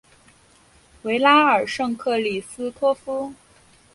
维拉尔圣克里斯托夫。